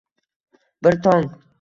Bir tong